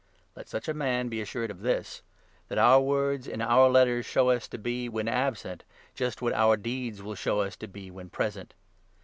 Let such a man be n assured of this — that our words in our letters show us to be, when absent, just what our deeds will show us to be, when present.